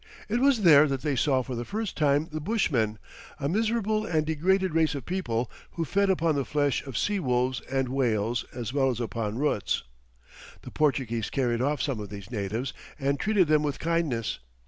It was there that they saw for the first time the Bushmen, a miserable and degraded race of people who fed upon the flesh of sea wolves and whales, as well as upon roots. The Portuguese carried off some of these natives, and treated them with kindness.